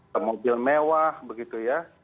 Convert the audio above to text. pemobil mewah begitu ya